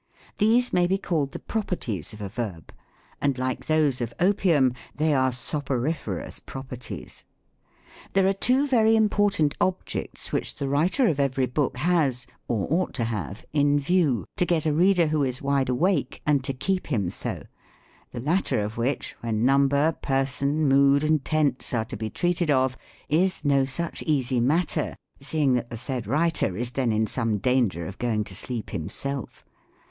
These may be called the properties of a verb ; and like those of opium, they are soporiferous properties. There are two very important objects which the writer of every book has, or ought to have in view, to get a reader who is wide awake, and to keep him so :— the latter of which, when Number, Person, Mood, and Tense are to be treated of, is no such easy matter ; seeing that the said writer is then in some danger of going to sleep himself.